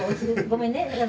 ごめんね。